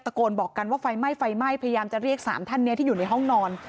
โกนบอกกันว่าไฟไหม้ไฟไหม้พยายามจะเรียก๓ท่านนี้ที่อยู่ในห้องนอน